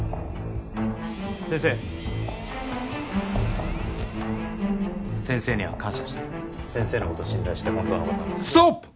先生先生には感謝してる先生のこと信頼して本当のことを話すストップ！